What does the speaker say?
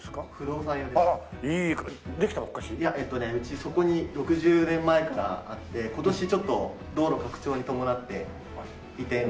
そこに６０年前からあって今年ちょっと道路拡張に伴って移転を。